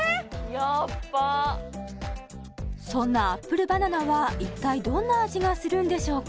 やっばそんなアップルバナナは一体どんな味がするんでしょうか？